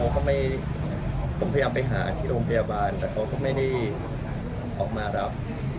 ก็ไม่ผมพยายามไปหาที่โรงพยาบาลแต่เขาก็ไม่ได้ออกมารับ